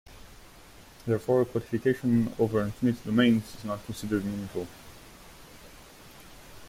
Therefore quantification over infinite domains is not considered meaningful.